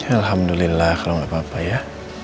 alhamdulillah kalau nggak apa apa ya